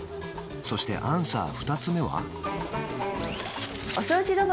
そしてアンサー２つ目は？